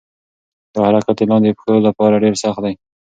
دا حرکت د لاندې پښو لپاره ډېر سخت دی.